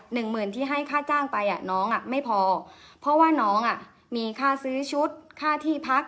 หนึ่งหมื่นที่ให้ค่าจ้างไปอ่ะน้องอ่ะไม่พอเพราะว่าน้องอ่ะมีค่าซื้อชุดค่าที่พัก